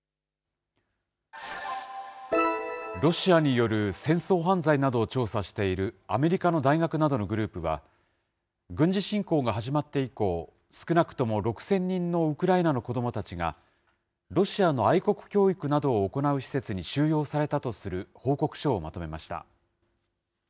ロシアによる戦争犯罪などを調査しているアメリカの大学などのグループは、軍事侵攻が始まって以降、少なくとも６０００人のウクライナの子どもたちが、ロシアの愛国教育などを行う施設に収容されたとする報告書をまとめました。